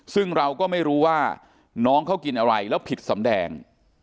ซึ่งเราก็ไม่รู้ว่าน้องเขากินอะไรแล้วผิดสำแดง